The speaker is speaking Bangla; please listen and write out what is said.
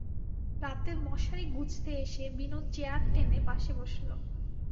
রাতে মশারি গুঁজতে এসে বিনু চেয়ার টেনে পাশে বসল।